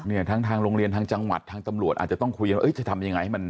เนี่ยทั้งทางโรงเรียนทางจังหวัดทางตำรวจอาจจะต้องคุยกันว่าเอ้ยจะทำยังไงให้มัน